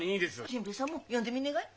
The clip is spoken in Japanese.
新平さんも詠んでみねえがい？